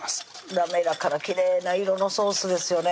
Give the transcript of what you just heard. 滑らかなきれいな色のソースですよね